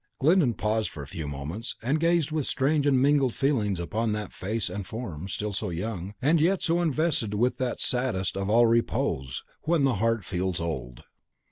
Glyndon paused for a few moments, and gazed with strange and mingled feelings upon that face and form, still so young, and yet so invested with that saddest of all repose, when the heart feels old.